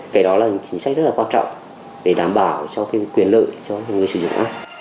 cái đó là chính sách rất quan trọng để đảm bảo quyền lợi cho người sử dụng